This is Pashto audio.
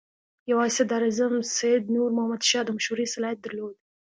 یوازې صدراعظم سید نور محمد شاه د مشورې صلاحیت درلود.